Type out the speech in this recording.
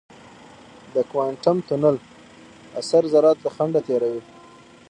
د کوانټم تونل اثر ذرات له خنډه تېروي.